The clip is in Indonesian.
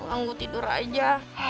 langu tidur aja